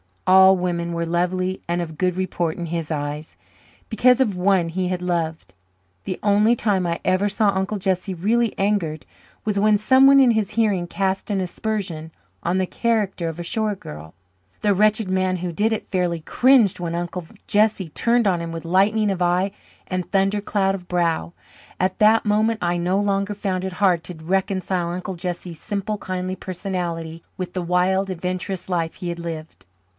All women were lovely and of good report in his eyes, because of one he had loved. The only time I ever saw Uncle Jesse really angered was when someone in his hearing cast an aspersion on the character of a shore girl. The wretched man who did it fairly cringed when Uncle Jesse turned on him with lightning of eye and thundercloud of brow. At that moment I no longer found it hard to reconcile Uncle Jesse's simple, kindly personality with the wild, adventurous life he had lived.